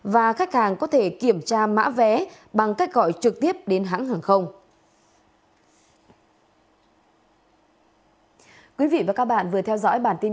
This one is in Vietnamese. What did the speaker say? và khách hàng có thể kiểm tra mã vé bằng cách gọi trực tiếp đến hãng hàng không